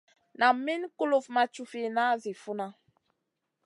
Nam Min kulufn ma cufina zi funa.